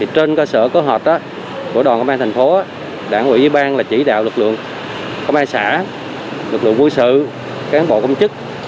trên cơ sở cơ hợp của đoàn công an thành phố đảng ủy ủy ban chỉ đạo lực lượng công an xã lực lượng quốc sự cán bộ công chức